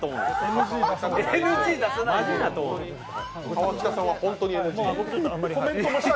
川北さんは本当にＮＧ。